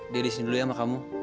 dia disini dulu ya sama kamu